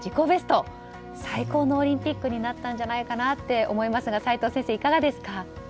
ベスト最高のオリンピックになったんじゃないかなって齋藤先生、いかがですか。